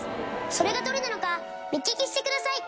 それがどれなのか目利きしてください！